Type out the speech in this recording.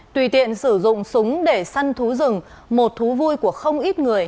tùy tiện sử dụng súng để săn thú rừng một thú vui của không ít người